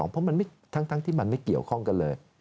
เพราะทั้งที่มันไม่เกี่ยวข้องกันเลย